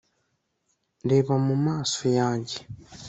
reba mu maso yanjye